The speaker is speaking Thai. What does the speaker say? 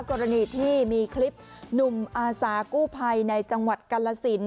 กรณีที่มีคลิปหนุ่มอาสากู้ภัยในจังหวัดกาลสิน